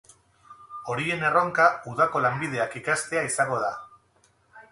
Horien erronka udako lanbideak ikastea izango da.